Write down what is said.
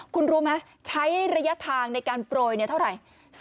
คุณรู้ไหมใช้ระยะทางในการโปรยเท่าไหร่